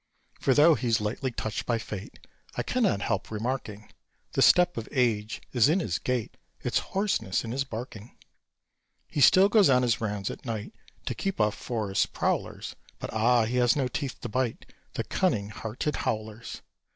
For, though he's lightly touched by Fate, I cannot help remarking The step of age is in his gait, Its hoarseness in his barking. He still goes on his rounds at night To keep off forest prowlers; But, ah! he has no teeth to bite The cunning hearted howlers.